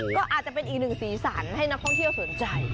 ก็อาจจะเป็นอีกหนึ่งสีสันให้นักท่องเที่ยวสนใจ